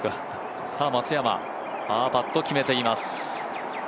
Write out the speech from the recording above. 松山、パーパット決めています。